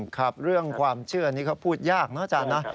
ครับเรื่องความเชื่อนี้เขาพูดยากนะอาจารย์นะ